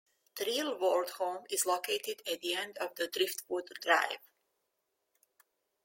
The Real World home is located at the end of Driftwood Drive.